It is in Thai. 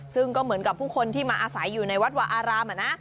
ซึ่งก็เหมือนกับผู้คนที่มาอาศัยอยู่ในวัดวาอาราม